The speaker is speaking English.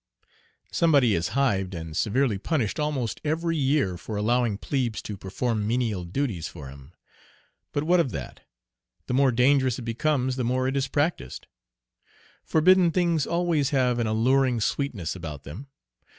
Somebody is "hived" and severely punished almost every year for allowing plebes to perform menial duties for him. But what of that? The more dangerous it becomes the more is it practised. Forbidden things always have an alluring sweetness about them.